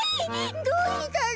どうしたの？